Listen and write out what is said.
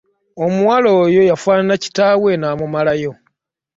Omuwala oyo yafaanana kitaawe n'amumalayo.